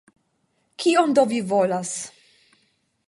Kion do vi volas?